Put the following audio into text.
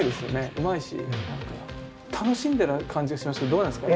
うまいし楽しんでる感じがしますけどどうなんですか？